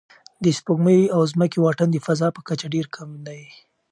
د سپوږمۍ او ځمکې واټن د فضا په کچه ډېر کم دی.